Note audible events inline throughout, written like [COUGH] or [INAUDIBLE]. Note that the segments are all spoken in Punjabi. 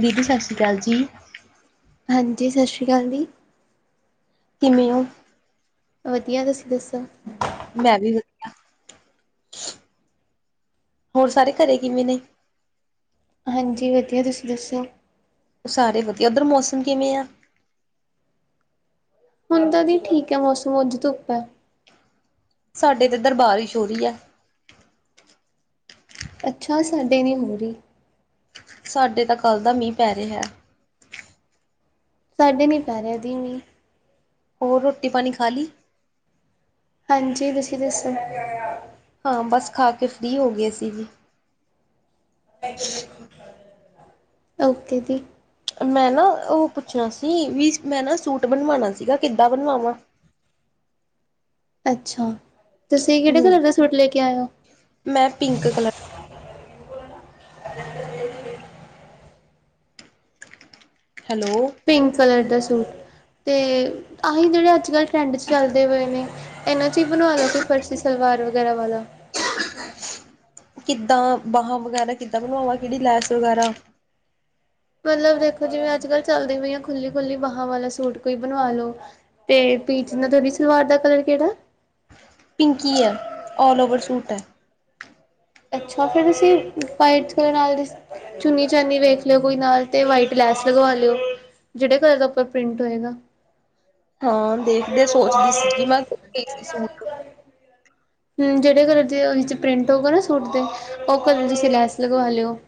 ਦੀਦੀ, ਸਸ਼੍ਰੀ ਅਕਾਲ ਜੀ। ਹਾਂਜੀ, ਸਸ਼ਰੀ ਕਾਲ ਦੀ ਕਿਵੇਂ ਔ? ਵਧੀਆ। ਤੁਸੀਂ ਦੱਸੋ? ਮੈਂ ਵੀ ਵਧੀਆ। ਹੋਰ ਸਾਰੇ ਘਰੇ ਕਿਵੇਂ ਨੇ? ਹਾਂਜੀ, ਵਧੀਆ। ਤੁਸੀਂ ਦੱਸੋ? ਉਹ ਸਾਰੇ ਵਧੀਆ। ਉੱਧਰ ਮੌਸਮ ਕਿਵੇਂ ਆ? ਹੁਨ ਤਾਂ ਦੀ ਠੀਕ ਐ ਮੌਸਮ, ਅਜ ਧੁੱਪ ਹੈ। ਸਾਡੇ ਤਾਂ ਇਧੱਰ ਬਾਰਿਸ਼ ਹੋ ਰੀ ਹੈ। ਅੱਛਾ, ਸਾਡੇ ਨਹੀ ਹੋ ਰਹੀ। ਸਾਡੇ ਤੇ ਕੱਲ ਦਾ ਮੀਂਹ ਪੈ ਰਿਹਾ ਹੈ। ਸਾਡੇ ਨੀ ਪੈ ਰਿਹਾ ਦੀ ਮੀਂ। ਔਰ, ਰੋਟੀ -ਪਾਣੀ ਖਾ ਲੀ? ਹਾਂਜੀ, ਤੁਸੀਂ ਦੱਸੋ? ਹਾਂ, ਬਸ ਖਾ ਕੇ ਫ੍ਰੀ ਹੋ ਗਏ ਸੀਂ ਜੀ। ਓਕੇ ਦੀ। ਮੈਂ ਨਾ ਉਹ ਪੁੱਛਣਾ ਸੀ, ਵੀ ਮੈਂ ਨਾ ਸੂਟ ਬਣਵਾਨਾ ਸੀਗਾ। ਕਿੱਦਾਂ ਬਣਵਾਵਾਂ? ਅੱਛਾ, ਤੁਸੀਂ ਕਿਹੜੇ ਹਮ ਕਲਰ ਦਾ ਸੂਟ ਲੈ ਕੇ ਆਏ ਹੋ? ਮੈਂ pink colour [UNINTELLIGIBLE] hello. Pink colour ਦਾ ਸੂਟ, ਤੇ ਆਹੀ ਜਿਹੜੇ ਅੱਜ- ਕੱਲ ਟਰੈਂਡ 'ਚ ਚੱਲਦੇ ਪਏ ਨੇ। ਇਨਾਂ 'ਚ ਈ ਬਣਵਾ ਲਓ ਕਿ ਕੋਈ ਫਰਸੀ ਸਲਵਾਰ ਵਗੈਰਾ ਵਾਲਾ। ਕਿੱਦਾਂ ਬਾਹਾਂ ਵਗੈਰਾ ਕਿੱਦਾਂ ਬਣਵਾਵਾਂ, ਕਿਹੜੀ ਲੈਸ ਵਗੈਰਾ? ਪਹਿਲਾਂ ਦੇਖੋ, ਜਿਵੇਂ ਅੱਜ- ਕੱਲ ਚੱਲਦੀ ਪਈਆਂ ਖੁੱਲੀ - ਖੁੱਲੀ ਬਾਹਾਂ ਵਾਲਾ ਸੂਟ ਕੋਈ ਬਣਵਾ ਲਓ। 'ਤੇ ਪੀਚ ਨਾ ਤਾਡੀ ਸਲਵਾਰ ਦਾ ਕਲਰ ਕਿਹੜਾ? ਪਿੰਕ ਈ ਐ, ਔਲ-ਓਵਰ ਸੂਟ ਹੈ। ਅੱਛਾ, ਫੇਰ ਤੁਸੀਂ, ਵਾਈਟ ਕਲਰ ਨਾਲ ਦੀ ਚੁੰਨੀ -ਚਾਨੀ ਵੇਖ ਲਓ, ਕੋਈ ਨਾਲ 'ਤੇ ਵਾਈਟ ਲੈਸ ਲਗਵਾ ਲਿਓ। ਜਿਹੜੇ ਕਲਰ ਦਾ ਉੱਪਰ ਪ੍ਰਿੰਟ ਹੋਏਗਾ। ਹਾਂ, ਦੇਖਦੇ ਸੋਚਦੀ ਸੀਗੀ ਜੀ ਮੈਂ, ਇਕ ਸੂਟ ਹੂੰ, ਜਿਹੜੇ ਕਲਰ ਦੇ ਉਹਦੇ 'ਚ ਪ੍ਰਿੰਟ ਹੋਗਾ ਨਾ ਸੂਟ ਦੇ, ਉਹ ਕਲਰ ਦੀ ਤੁਸੀਂ ਲੈਸ ਲਗਵਾ ਲਿਓ।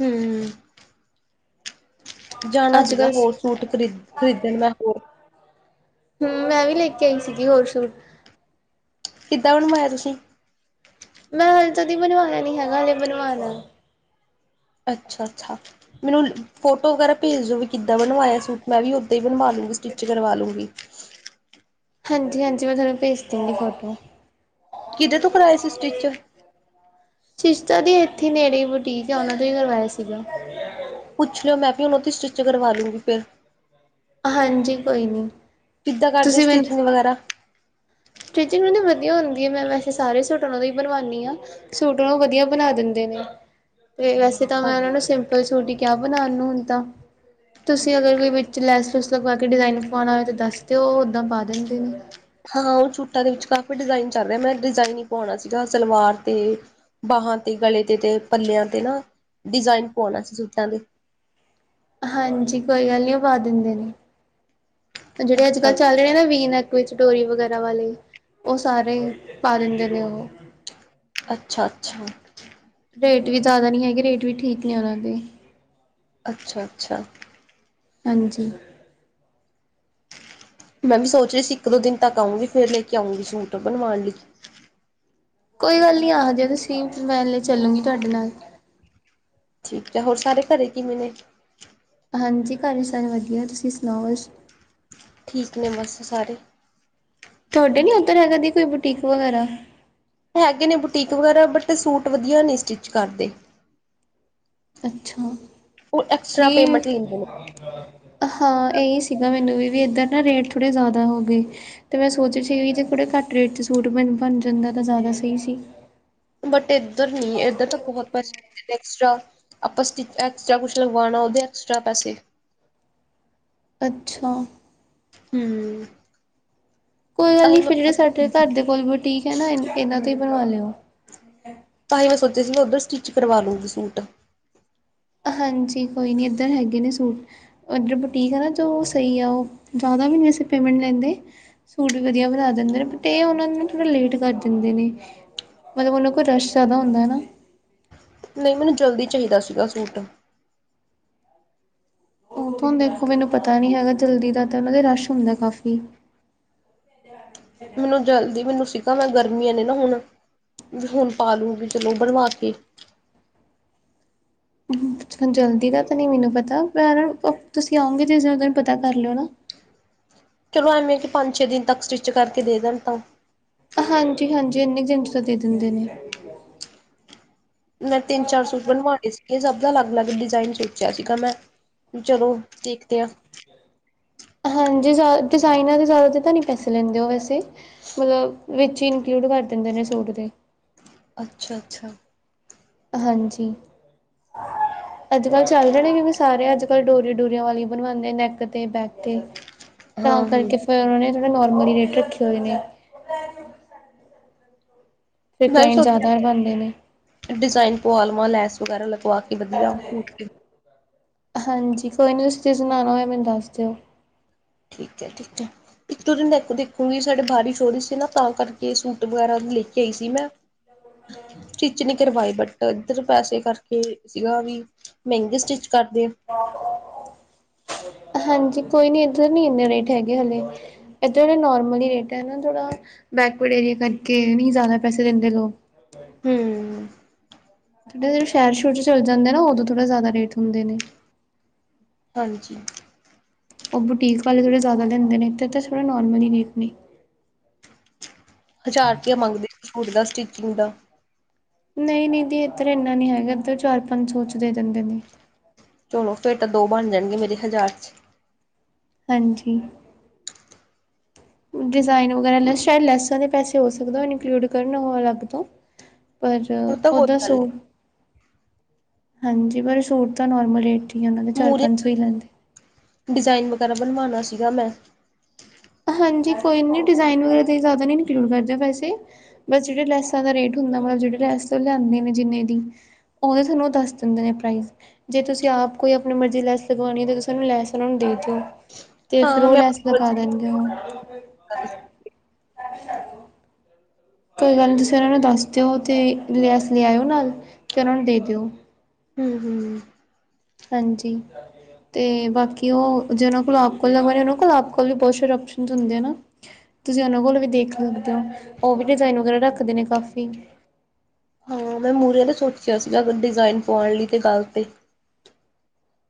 ਹੂੰਮ, ਜਾਣਾ ਅੱਜ ਸੀਗਾ ਕੱਲ ਹੋਰ ਸੂਟ ਖਰੀਦ ਖਰੀਦਣ ਮੈਂ ਹੋਰ ਹੂੰ, ਮੈਂ ਵੀ ਲੈ ਕੇ ਆਈ ਸੀਗੀ ਹੋਰ ਸ਼ੁਜ। ਕਿੱਦਾਂ ਬਣਵਾਇਆ ਤੁਸੀਂ? ਮੈਂ ਹਾਲੇ ਤਦੀ ਬਣਵਾਇਆ ਨੀ ਹੈਗਾ, ਹਾਲੇ ਬਣਵਾਨਾ। ਅੱਛਾ-ਅੱਛਾ। ਮੈਨੂੰ ਫੋਟੋ ਵਗੈਰਾ ਭੇਜ ਦੋ ਵੀ ਕਿੱਦਾਂ ਬਣਵਾਇਐ ਸੂਟ, ਮੈਂ ਵੀ ਓਦਾਂ ਹੀ ਬਨਵਾ ਲੂੰਗੀ, ਸਟਿਚ ਕਰਵਾ ਲੂੰਗੀ। ਹਾਂਜੀ-ਹਾਂਜੀ, ਮੈਂ ਤੁਆਂਨੂੰ ਭੇਜ ਦੂੰਗੀ ਫੋਟੋ। ਕਿਦੇ ਤੋ ਕਰਾਏ ਸੀ ਸਟਿਚ? ਸਟਿਚ ਤਾਂ ਜੀ ਏਥੇ ਨੇੜੇ ਈ ਬੁਟੀਕ ਆ, ਉਹਨਾਂ ਦੇ ਕਰਵਾਏ ਸੀਗਾ। ਪੁੱਛ ਲਓ, ਮੈਂ ਵੀ ਉਨ੍ਹਾਂ ਦੀ ਸਟਿੱਚ ਕਰਵਾ ਲੂੰਗੀ ਫੇਰ। ਹਾਂਜੀ, ਕੋਈ ਨੀ। ਕਿੱਦਾਂ ਕਰਦੇ ਤੁਸੀਂ ਮੈਨੂੰ ਸਟਿਚਿੰਗ ਵਗੈਰਾ? ਸਟਿਚਿੰਗ ਉਨਾਂ ਦੀ ਵਧੀਆ ਹੁੰਦੀ ਐ, ਮੈਂ ਵੈਸੇ ਸਾਰੇ ਬਣਵਾਦੀ ਆ। ਸੂਟ ਬਹੋ ਵਧੀਆ ਬਣਾ ਦਿੰਦੇ ਨੇ, ਵੈਸੇ ਤਾਂ ਮੈਂ ਉਨਾਂ ਨੂੰ ਸਿੰਪਲ ਸੂਟ ਈ ਕੇਯਾ ਬਣਾਣ ਨੂੰ ਤਾਂ। ਤੁਸੀਂ ਅਗਰ ਵੀ ਵਿੱਚ ਲੈਸ-ਲੂਸ ਲਵਾ ਕੇ ਡੀਜਾਂਇਨ ਪੁਆਣਾ ਹੋਏ ਤਾਂ ਓਹ ਉਦਾਂ ਪਾ ਦਿੰਦੇ ਨੇ। ਹਾਂ ਓ ਸੂਟਾਂ ਦੇ ਵਿੱਚ ਤਾਂ ਕਾਫੀ ਡਿਜ਼ਾਇਨ ਚੱਲ ਰੇ, ਮੈਂ ਏਕ ਡਿਜ਼ਾਇਨ ਹੀ ਪਾਉਣਾ ਸੀਗਾ, ਸਲਵਾਰ ਤੇ ਬਾਹਾਂ ਤੇ, ਗਲੇ ਤੇ, ਪੱਲੇ ਦੇ ਤੇ ਪੱਲਿਆਂ ਤੇ ਨਾ ਡਿਜ਼ਾਇਨ ਪੂਆਂਣਾ ਸੀ ਸੁੱਟਾ ਦੇ। ਹਾਂਜੀ, ਕੋਈ ਗੱਲ ਨੀਂ ਓ ਪਾ ਦਿੰਦੇ ਨੇ ਜੇੜੇ ਅੱਜ-ਕੱਲ ਚੱਲ ਰੇਨੇ ਨਾ ਵੀ ਨੈਕ। ਕੋਈ ਸਟੋਰੀ ਵਗੈਰਾ ਵਾਲੇ, ਓ ਸਾਰੇ ਭਾਰਤ ਦੇ ਨੇ ਓਹ। ਅੱਛਾ-ਅੱਛਾ। ਰੇਟ ਵੀ ਜਾਦਾ ਨੀਂ ਹੈਗੇ, ਰੇਟ ਵੀ ਠੀਕ ਹੀ ਨੇ ਓਨਾਂ ਦੇ। ਅੱਛਾ-ਅੱਛਾ। ਹਾਂਜੀ। ਮੈ ਵੀ ਸੋਚ ਰੀ ਸੀ, ਇੱਕ ਦੋ ਦਿਨ ਤੱਕ ਆਉਗੀ ਫਿਰ ਲੈ ਕੇ ਆਉਂਗੀ ਸੂਟ। ਕੋਈ ਗੱਲ ਨਈਂ, ਆ ਜੇਯਾ ਤੁਸੀ ਮੈਂ ਲੇ ਚੱਲੂਗੀ ਤੁਆਡੇ ਨਾਲ। ਠੀਕ ਯਾ, ਹੋਰ ਸਾਰੇ ਘਰੇ ਕਿਵੇਂ ਨੇ? ਹਾਂਜੀ, ਘਰੇ ਸਰ ਵਧੀਆ ਤੁਸੀਂ ਸੁਣਾਓ। ਠੀਕ ਨੇ ਬਸ, ਸਾਰੇ। ਥੋਡੇ ਨੀਂ ਓਦਰ ਹੈਗਾ ਦੀ ਕੋਈ ਬੁਟੀਕ ਵਗੈਰਾ? ਹੈਗੇ ਨੇ ਬੁਟੀਕ ਵਗੈਰਹ ਬਟ, ਸੂਟ ਵਧੀਆ ਨੀਂ ਸਟਿਚ ਕਰਦੇ। ਅੱਛਾ, ਉਹ ਐਕਸਟਰਾ ਨੀਂ ਪੇਮੈਂਟ ਲੈਂਦੇ ਨੇ ਹਾਂ, ਏਈ ਸੀਗਾ ਮੈਨੂੰ ਵੀ ਏਦਾਂ ਨਾ ਰੇਟ ਥੋੜੇ ਜਾਦਾ ਹੋਗੇ ਤੇ ਮੈਂ ਸੋਚ ਰਈ ਸੀ ਜੇ ਥੋੜੇ ਘੱਟ ਰੇਟ ਚ ਸੂਟ ਬਣ ਜਾਂਦਾ ਤਾਂ ਜਾਦਾ ਸਈ ਸੀ। ਬਟ, ਏਦਰ ਨੀਂ ਏਧਰ ਤਾਂ ਬਹੋਤ ਪੈਸੇ ਐਕਸਟਰਾਂ, ਆਪਾਂ ਐਕਸਟਰਾਂ ਕੁਛ ਲਗਵਾਨਾਂ ਹੋਏ ਤੇ ਐਕਸਟਰਾਂ ਪੈਸੇ [INAUDIBLE] ਅੱਛਾ। ਹੂੰ। ਕੋਈ ਗੱਲਾਂ ਨਨੀਂ, ਸਾਡੇ ਘਰ ਦੇ ਕੋਲੋ ਨਾਂ ਬੂਟੀਕ ਐ ਨਾਂ, ਇਹਨਾਂ ਤੋਂ ਹੀ ਬਣਵਾ ਲਿਓ। ਤਾਂਹੀ ਮੈਂ ਸੋਚਿਆ ਸੀ ਮੈਂ ਓਦਰ ਸਟਿਚ ਕਰਵਾ ਲੂ ਸੂਟ। ਹਾਂਜੀ, ਕੋਈ ਨੀਂ ਏਧਰ ਹੈਗੇ ਨੇ ਸੂਟ। ਓ ਜੋ ਬੂਟੀਕ ਐ ਨਾਂ ਓ ਸਈ ਐ ਓਹ, ਜਾਦਾ ਵੀ ਨੀਂ ਸਪਲੀਮੈਂਟ ਲੈਂਦੇ। ਸੂਟ ਵਧੀਆ ਬਣਾ ਦਿੰਦੇ ਨੇ ਬਟ, ਏ ਐ ਓਨਾਂ ਨੂੰ ਥੋੜਾ ਲੇਟ ਕਰ ਦਿੰਦੇ ਨੇ। ਮਤਲਬ ਉਨਾਂ ਕੋਲ ਰਸ਼ ਜਾਦਾ ਹੁੰਦਾ ਹੁੰਦਾ ਨਾ। ਨਈ ਮੈਨੂੰ ਜਲਦੀ ਚਾਹੀਦਾ ਸੀਗਾ ਸੂਟ। ਹੁਨ ਤਾਨੂੰ ਦੇਖੋ ਮੈਨੂੰ ਪਤਾ ਨੀ ਹੈਗਾ ਜਲਦੀ ਦਾ ਤੇ ਓਨਾਂ ਦੇ ਰਸ਼ ਹੁੰਦਾ ਕਾਫੀ। ਨੂੰ ਜਲਦੀ ਮੇਨੂੰ ਸੀਗਾ ਮੇਨੂੰ ਗਰਮੀਆਂ ਨੇ ਨਾ ਹੁਣ। ਹੁਣ ਪਾ ਲੂ ਗੀ ਚਲੋ ਬਨਵਾਕੇ। ਜਲਦੀ ਦਾ ਤਾਂ ਨਈ ਮੈਨੂੰ ਪਤਾ, ਪਰ ਤੁਸੀਂ ਆਉਂਗੇ ਸੀ ਜੇਸ ਦੇਨ ਪਤਾ ਕਰ ਲੇਓ ਨਾ। ਚਲੋ ਪੰਜ-ਛੇ ਦਿਨ ਤੱਕ ਸਟੀਚ ਕਰਕੇ ਦੇ ਦੇਣ ਤਾਂ। ਹਾਂਜੀ-ਹਾਂਜੀ ਏਨੀ [UNINTELLIGIBLE] ਦੇ ਦੇਂਦੇ ਨੇ। ਮੈਂ ਤਿਨ-ਚਾਰ ਸੂਟ ਬਣਵਾ ਲੇ ਸੀਗੇ ਸਬ ਲਗ-ਲਗ ਡੀਜੈਨ ਸੋਚੇਆ ਸੀਗਾ ਮੈਂ, ਚਲੋ ਦੇਖਤੇ ਐ ਹਾਂਜੀ ਸਾ ਡੀਜਾਈਨਾ ਦੀ ਜਾਦਾ ਤੇ ਤਾਂ ਨੀ ਪੈਸੇ ਲੈਂਦੇ ਓ ਵੈਸੇ, ਮਲਵ ਵਿਚ ਈਨਕਲੂਡ ਕਰ ਦੇਂਦੇ ਨੇ ਸੂਟ ਦੇ। ਅੱਛਾ-ਅੱਛਾ। ਹਾਂਜੀ। [INAUDIBLE] ਅੱਜ-ਕੱਲ ਚੱਲ ਰੇ ਨੇਂ ਕੇਓਕਿ ਸਾਰੇ ਅੱਜ-ਕੱਲ ਡੋਰੀ ਡੋਰੀਆਂ ਵਾਲੀ ਬਣਵਾਂਦੇ ਨੈਕ ਤੇ, ਬੈਕ ਤੇ। ਤਾਂ ਹਾਂ ਹਮ ਕਰਕੇ ਫੇਰ ਓਨਾਂ ਨੇ ਥੋੜੇ ਨੋਰਮਲੀ ਰੇਟ ਰੱਖੇ ਹੋਏ ਨੇ। ਤੇ ਕਲੈਟ ਜਾਦਾ ਬਨਦੇ ਨੇ। ਡੀਜ਼ਾਇਨ ਪੁਆ ਲਵਾਂ, ਲੈਸ ਵਗੈਰਾ ਲਗਵਾ ਕੇ ਵਧੀਆ ਸੂਟ ਤੇ ਹਾਂਜੀ, ਕੋਈ ਨੀਂ ਤੁਸੀਂ ਸਮਾਣਾ ਹੋਏਆ, ਮੈਨੂੰ ਦੱਸ ਦੇਓ। ਠੀਕ ਐ, ਠੀਕ ਐ। ਇਕ-ਦੋ ਦਿਨ ਤੱਕ ਦੇਖੂਗੀ, ਸਾਡੇ ਬਾਰੀਸ਼ ਹੋ ਰਈ ਸੀ ਨਾਂ ਤਾਂ ਕਰਕੇ ਸੂਟ ਵਗੈਰਾ ਲੈ ਕੇ ਆਈ ਸੀ ਮੈਂ। ਟਿਚ ਨੀਂ ਕਰਵਾਏ ਬਟ, ਏਦਰ ਪੈਸੇ ਕਰਕੇ ਸੀਗਾ ਵੀ ਮਈਂਗੇ ਸਟਿਚ ਕਰਦੇ ਆ। [UNINTELLIGIBLE] ਹਾਂਜੀ ਕੋਈ ਨੀਂ ਏਦਰ ਨੀਂ ਏਨੇ ਰੇਟ ਹੈਗੇ ਹਲੇ। ਐਦਰ ਨੋਰਮਲ ਰੇਟ ਐ ਨਾਂ ਥੋੜਾ, ਬੈਕਵਰਡ ਏਰੀਏ ਕਰਕੇ ਨੀਂ ਜਾਦਾ ਪੈਸੇ ਦੇਂਦੇ ਲੋਕ। ਹੂੰ। [UNINTELLIGIBLE] ਛੈਰ-ਛੂਰ ਚ ਚੱਲ ਜਾਂਦੇ ਨਾਂ ਓਦੋਂ ਥੋੜਾ ਜਾਦਾ ਰੇਟ ਹੁੰਦੇ ਨੇਂ। ਹਾਂਜੀ। ਓ ਬੁਟੀਕ ਵਾਲੇ ਥੋੜੇ ਜਾਦਾ ਲੈਂਦੇ ਨੇਂ, ਏਥੇ ਤਾਂ ਥੋੜਾ ਨੋਰਮਲ ਈ ਰੇਟ ਨੇਂ। ਹਜ਼ਾਰ ਪਈਆ ਮੰਗਦੇ ਸੀ ਸੂਟ ਦਾ, ਸਟੀਚਿੰਗ ਦਾ। ਨਈਂ-ਨਈਂ ਦੀ ਏਦਰ ਏਨਾ ਨੀਂ ਹੈਗਾ, ਏਦਰ ਚਾਰ-ਪੰਜ ਸੋ ਚ ਦੇ ਦੇਂਦੇ ਨੇਂ। ਚਲੋ ਫੇਰ ਤਾਂ ਦੋ ਬਣ ਜਾਣਗੇ ਮੇਰੇ ਹਜ਼ਾਰ ਚ। ਹਾਂਜੀ। [INAUDIBLE] ਡੀਜ਼ਾਇਨ ਵਗੈਰਾ ਲੈ ਛੈ ਲੈਸਾਂ ਦੇ ਪੈਸੇ ਹੋ ਸਕਦਾ ਓ ਇਨਕਲੂਡ ਕਰਨ ਓ ਅਲੱਗ ਤੋਂ। ਪਰ, ਉਹ ਤਾਂ ਕੋਈ ਓਦਾ ਗੱਲ ਨੀ ਸੋ, ਹਾਂਜੀ ਪਰ ਸੂਟ ਤਾਂ ਨੋਰਮਲ ਰੇਟ ਈ ਓਨਾਂ ਦੇ ਤਾਂ ਚਾਰ-ਪੰਜ ਸੋ ਈ ਲੈਂਦੇ। ਡੀਜ਼ਾਇਨ ਵਗੈਰਾ ਬਣਵਾਣਾ ਸੀਗਾ ਮੈਂ। ਹਾਂਜੀ ਕੋਈ ਨੀਂ ਡੀਜ਼ਾਇਨ ਵਗੈਰਾ ਤਾਂ ਜਾਦਾ ਨੀਂ ਇਨਕਲੂਡ ਕਰਦੇ ਵੈਸੇ। ਬਸ ਜੇੜੇ ਲੈਸਾਂ ਦਾ ਰੇਟ ਹੁੰਦਾ ਮਲ ਜੇੜੇ ਲੈਸ ਓ ਲੇਆਂਦੇ ਨੇਂ ਜਿਨੇ ਦੀ। ਓਦੇ ਥੋਨੂੰ ਓ ਦੱਸ ਦੀਂਦੇ ਨੇਂ ਪ੍ਰਾਈਸ। ਜੇ ਤੁਸੀਂ ਆਪ ਕੋਈ ਆਪਣੀ ਮਰਜ਼ੀ ਲੈਸ ਲਗਵਾਣੀ ਐ ਤਾਂ ਤੁਸੀਂ ਓਨੂੰ ਲੈਸ ਓਨਾਂ ਨੂੰ ਦੇ ਦੇਓ। ਤੇ ਫੇਰ ਹਾਂ ਓ ਮੈਂ ਲੈਸ ਹੂੰ ਲਗਾ ਦੇਣਗੇ ਉਹੋ। ਕੋਈ ਗੱਲ ਨੀਂ ਤੁਸੀਂ ਓਨਾਂ ਨੂੰ ਦੱਸ ਦੇਓ ਤੇ, ਲੈਸ ਲੇ ਆਏਓ ਨਾਲ, ਤੇ ਓਨਾਂ ਨੂੰ ਦੇ ਦੇਓ। ਹੂੰ-ਹੂੰ। ਹਾਂਜੀ। ਤੇ ਬਾਕੀ ਉਹ, ਜਿਨਾਂ ਕੋਲ ਆਪ ਕੋਲਾ, [UNINTELLIGIBLE] ਉਹਨਾਂ ਕੋਲ ਆਪ ਕੋਲ ਵੀ ਬਹੁਤ ਸਾਰੇ ਓਪਸ਼ਨਸ ਹੁੰਦੇ ਆ ਨਾਂ। ਤੁਸੀਂ ਉਹਨਾਂ ਕੋਲ ਵੀ ਦੇਖ ਸਕਦੇ ਓ, ਉਹ ਵੀ ਡਿਜ਼ਾਇਨ ਵਗੈਰਾ ਰੱਖਦੇ ਨੇਂ ਕਾਫ਼ੀ। ਹਾਂ ਮੈਂ ਮੁਹਰੇ ਤੇ ਸੋਚਿਆ ਸੀਗਾ, ਡਿਜ਼ਾਇਨ ਪਵਾਣ ਲੀ ਤੇ ਗੱਲ ਤੇ।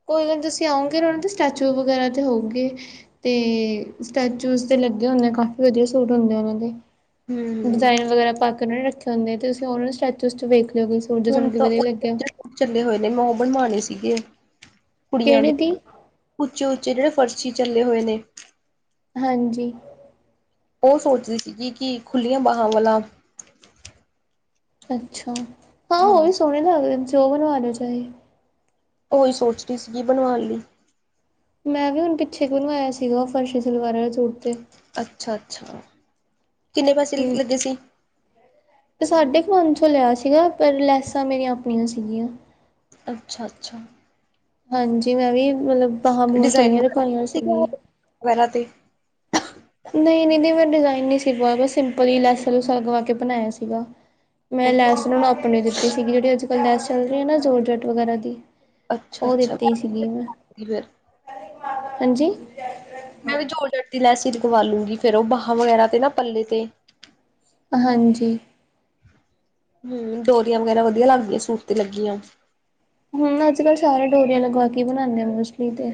ਕੋਈ ਗੱਲ ਨੀਂ ਤੁਸੀਂ ਆਓਗੇ ਨਾਂ ਉਹਨਾਂ ਦੇ ਸਟੈਚੂ ਵਗ਼ੈਰਾ ਤੇ ਹੋਊਗੇ। ਤੇ, ਸਟੈਚੂਸ ਤੇ ਲੱਗੇ ਹੁੰਨੇ ਆਂ, ਕਾਫੀ ਵਧੀਆ ਸੂਟ ਹੁੰਦੇ ਆਂ ਉਹਨਾਂ ਦੇ। ਹੂੰ। ਡਿਜ਼ਾਇਨ ਵਗੈਰਾ ਪਾ ਕੇ ਉਹਨਾਂ ਰੱਖੇ ਹੁੰਦੇ, ਤੇ ਤੁਸੀਂ ਉਹਨਾਂ ਨੂੰ ਸਟੈਚੂਸ ਚ' ਵੇਖ ਲਿਓ ਕੋਈ ਸੂਟ ਜੇ ਹੁਣ ਤੁਹਾਨੂੰ ਤਾਂ ਵਧੀਆ ਉਹ ਲੱਗਿਆ [UNINTELLIGIBLE] ਚੱਲੇ ਹੋਏ ਨੇਂ, ਮੈਂ ਉਹ ਬਣਵਾਨੇਂ ਸੀਗੇ। ਕੁੜੀਆਂ ਦੇ, ਕਿਹੜੇ ਦੀ ਉੱਚੇ-ਉੱਚੇ ਜਿਹੜੇ ਫਰਸ਼ੀ ਚੱਲੇ ਹੋਏ ਨੇਂ। ਹਾਂਜੀ। ਉਹ ਸੋਚ ਰੀ ਸੀਗੀ ਕਿ, ਖੁੱਲੀਆਂ ਬਾਹਾਂ ਵਾਲਾ ਅੱਛਾ, ਹਾਂ ਉਹ ਵੀ ਸੋਹਣੇ ਲਗਦੇ ਤੁਸੀਂ ਓ ਬਣਵਾ ਲਿਓ ਚਾਏ। ਉਹੀ ਸੋਚ ਰੀ ਸੀਗੀ ਬਣਵਾਣ ਲੀ। ਮੈਂ ਵੀ ਹੁਣ ਪਿੱਛੇ ਕੁ ਬਣਵਾਇਆ ਸੀਗਾ ਫਰਸ਼ੀ ਸਲਵਾਰ ਆਲਾ ਸੂਟ ਤੇ। ਅੱਛਾ-ਅੱਛਾ, ਕਿੰਨੇ ਪੈਸੇ ਲੀ-ਲੱਗੇ ਹੂੰ ਸੀ। ਸਾਢੇ ਕੁ ਪੰਜ ਸੌ ਲਿਆ ਸੀਗਾ, ਪਰ ਲੈਸਾਂ ਮੇਰੀਆਂ ਆਪਣੀਆਂ ਸੀਗੀਆਂ। ਅੱਛਾ-ਅੱਛਾ। ਹਾਂਜੀ ਮੈਂ ਵੀ, ਮਤਲਬ ਬਾਹਾਂ-ਬੂਹਾਂ ਡਿਜ਼ਾਇਨ ਖੁੱਲੀਆਂ ਵਗੈਰਾ ਰਖਵਾਈਆਂ ਸੀਗਾ ਸੀਗੀ। ਵਗੈਰਾ ਤੇ। ਨਈ- ਨਈ, ਨਈ, ਮੈਂ ਡਿਜ਼ਾਇਨ ਨੀ ਸੀ ਪਵਾਇਆ, ਬਸ ਸਿੰਪਲ ਈ ਲੈਸਾ ਲੂਸਾ ਲਗਵਾ ਕੇ ਬਣਾਇਆ ਸੀਗਾ ਮੈਂ ਓਕੇ ਲੈਸ ਉਹਨਾਂ ਨੂੰ ਆਪਣੀ ਦਿੱਤੀ ਸੀਗੀ, ਜਿਹੜੀ ਅੱਜ ਕੱਲ ਲੈਸ ਚੱਲ ਰੀ ਐ ਨਾ, ਜ਼ੋਰ ਜੱਟ ਵਗੈਰਾ ਦੀ ਓ ਅੱਛਾ-ਅੱਛਾ ਦਿੱਤੀ ਸੀਗੀ ਮੈਂ, ਫਿਰ ਹਾਜੀ ਮੈਂ ਵੀ ਜੋਰ ਜੱਟ ਦੀ ਲੈਸ ਈ ਲਗਵਾ ਲੂੰਗੀ, ਫੇਰ ਉਹ ਬਾਹਾਂ ਵਗੈਰਾ ਤੇ ਨਾ ਪੱਲੇ ਤੇ ਹਾਂਜੀ। ਹੂੰ, ਡੋਰੀਆਂ ਵਗੈਰਾ ਵਧੀਆ ਲੱਗਦੀਆਂ, ਸੂਟ ਤੇ ਲੱਗੀਆਂ ਹੂੰ ਅੱਜ ਕੱਲ ਸਾਰੇ ਡੋਰੀਆਂ ਲਗਵਾ ਕੇ ਈ ਬਣਾਦੇ ਆ, ਮੋਸਟਲੀ ਤੇ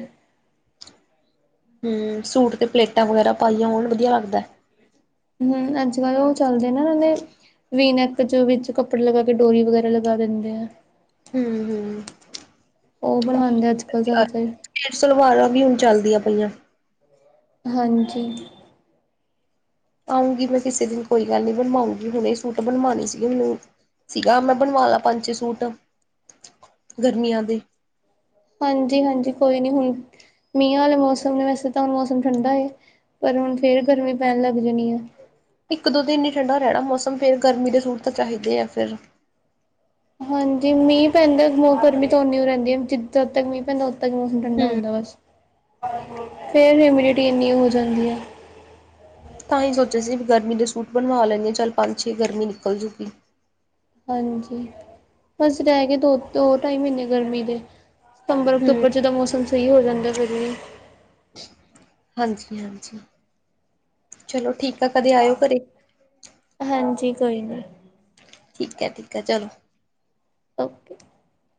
ਹੂੰ, ਸੂਟ ਤੇ ਪਲੇਟਾਂ ਵਗ਼ੈਰਾ ਪਾਈਆਂ ਹੋਣ ਵਧੀਆ ਲੱਗਦਾ ਐ। ਹੂੰ, ਅੱਜ ਕੱਲ ਓ ਚੱਲਦੇ ਨਾ ਉਨਾਂ ਦੇ ਵੀ, ਨੈਕ ਚ ਵਿੱਚ ਕੱਪੜੇ ਲਗਾ ਕੇ ਡੋਰੀ ਵਗੈਰਾ ਲਗਾ ਦਿੰਦੇ ਆ ਹੂੰ-ਹੂੰ। ਓ ਬਣਵਾਦੇ ਆ, ਅੱਜ ਕੱਲ ਜ਼ਿਆਦਾਤਰ ਸਟੇਟ ਸਲਵਾਰਾਂ ਵੀ ਹੁਣ ਚੱਲਦੀਆਂ ਪਈਆਂ ਹਾਂਜੀ। ਆਊਗੀ ਮੈਂ ਕਿਸੇ ਦਿਨ ਕੋਈ ਗੱਲ ਨੀ ਬਣਵਾਉਂਗੀ, ਹੁਣੇ ਈ ਸੂਟ ਬਣਵਾਨੇ ਸੀਗੇ ਮੀਨੂੰ ਸੀਗਾ, ਮੈਂ ਬਣਵਾ ਲਾ ਪੰਜ, ਛੇ ਸੂਟ ਗਰਮੀਆਂ ਦੇ ਹਾਜੀ- ਹਾਜੀ, ਕੋਈ ਨੀ ਹੁਣ ਮੀਹਾਂ ਵਾਲੇ ਮੌਸਮ ਨੇ, ਵੈਸੇ ਤਾਂ ਹੁਣ ਮੌਸਮ ਠੰਡਾ ਏ, ਪਰ ਹੁਣ ਫੇਰ ਗਰਮੀ ਪੈਣ ਲੱਗ ਜਾਣੀ ਐ। ਇੱਕ ਦੋ ਦਿਨ ਹੀ ਠੰਡਾ ਰਹਿਣਾ ਮੌਸਮ, ਫੇਰ ਗਰਮੀ ਦੇ ਸੂਟ ਤਾਂ ਚਾਹੀਦੇ ਆ ਫਿਰ ਹਾਜੀ ਮੀਂਹ ਪੈਂਦਾ ਮੋ ਗਰਮੀ ਤਾਂ ਓਨੀਓ ਰਹਿੰਦੀ ਐ, ਜਿੱਦੋਂ ਤੱਕ ਮੀਂਹ ਪੈਂਦਾ ਉਦੋਂ ਤੱਕ ਮੋਸਮ ਠੰਡਾ ਹੂੰ, ਹੁੰਦਾ ਬਸ, ਫੇਰ ਹਿਮਿਊਡਿਟੀ ਇੰਨੀ ਹੋ ਜਾਂਦੀ ਆ ਤਾਂ ਹੀ ਸੋਚਿਆ ਸੀ ਬੀ ਗਰਮੀ ਦੇ ਸੂਟ ਬਣਵਾ ਲੇਨੀ ਆ, ਚੱਲ ਪੰਜ, ਛੇ ਗਰਮੀ ਨਿਕਲ ਜੂਗੀ ਹਾਜੀ, ਬਸ ਰਹਿ ਗੇ ਦੋ- ਦੋ ਟਾਈ ਮਹੀਨੇਂ ਗਰਮੀਂ ਦੇ ਸਤੰਬਰ, ਹੂੰ। ਅਕਤੂਬਰ ਚ ਤਾਂ ਮੌਸਮ ਸਹੀ ਹੋ, ਜਾਂਦਾ ਫਿਰ ਵੀ ਹਾਂਜੀ-ਹਾਂਜੀ, ਚਲੋ ਠੀਕ ਆ, ਕਦੇ ਆਇਓ ਘਰੇ ਹਨਜੀ, ਕੋਈ ਨਈ ਠੀਕ ਆ ਠੀਕ ਆ, ਚਲੋ ਓਕੇ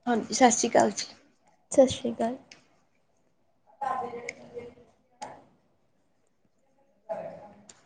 ਹਨਜੀ, ਸਤਿ ਸ਼੍ਰੀ ਅਕਾਲ ਜੀ ਸਤਿ ਸ਼੍ਰੀ ਅਕਾਲ [UNINTELLIGIBLE]